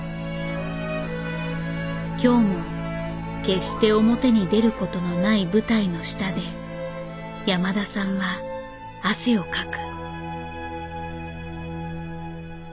今日も決して表に出ることのない舞台の下で山田さんは汗をかく。